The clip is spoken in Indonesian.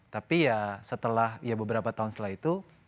tapi ya setelah ya beberapa tahun setelah itu